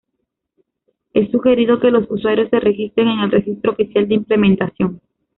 Es sugerido que los usuarios se registren en el registro oficial de implementación.